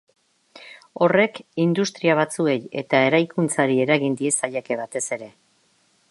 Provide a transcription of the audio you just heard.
Horrek, industria batzuei eta eraikuntzari eragin diezaieke batez ere.